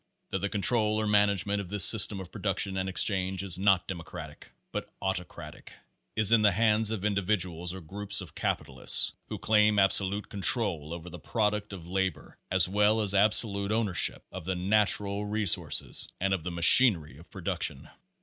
That the control or management of this system of production and exchange is not democratic, but auto cratic is in the hands of individuals or groups of capi talists, who claim absolute control over the product of labor as well as absolute ownership of the natural re sources and of the machinery of production.